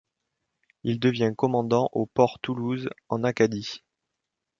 Il devient commandant au Port-Toulouse en Acadie.